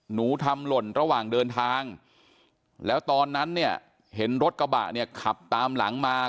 หนูทำหล่นระหว่างเดินทางแล้วตอนนั้นเนี่ยเห็นรถกระบะเนี่ยขับตามหลังมา